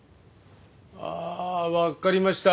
ああわかりました。